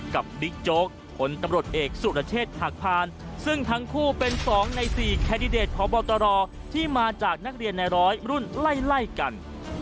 กับบิ๊กโจ๊กคนตำรวจเอกสุรเทศหักพานซึ่งทั้งคู่เป็นสองในสี่แคดดาทพบที่มาจากนักเรียนในร้อยรุ่นไล่กัน